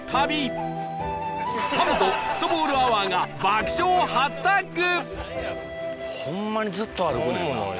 サンドフットボールアワーが爆笑初タッグ！